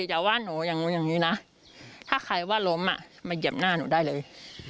อย่าว่าหนูอย่างนี้นะถ้าใครว่าล้มมาเหยียบหน้าหนูได้เลย